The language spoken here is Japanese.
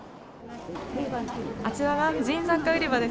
あちらが婦人雑貨売り場です。